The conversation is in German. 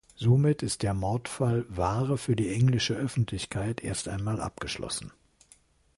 Somit ist der Mordfall Ware für die englische Öffentlichkeit erst einmal abgeschlossen.